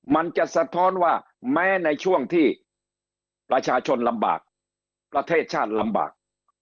มันจะสะท้อนว่าแม้ในช่วงที่ประชาชนลำบากประเทศชาติลำบาก